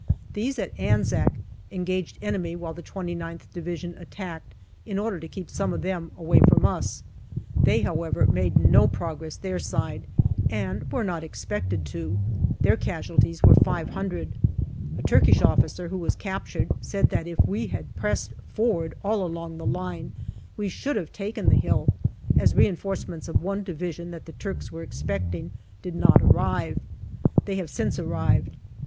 These, at Anzac, engaged enemy while the 2Qth Division attacked, in order to keep some of them away from us. They, how 156 JULY 157 ever, made no progress their side, and were not expected to. Their casualties were 500. A Turkish officer who was captured said that if we had pressed forward all along the line we should have taken the hill, as reinforcements of one division that the Turks were expecting did not arrive. They have since arrived.